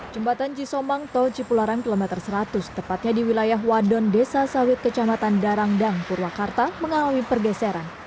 jembatan cisomang tol cipularang kilometer seratus tepatnya di wilayah wadon desa sawit kecamatan darangdang purwakarta mengalami pergeseran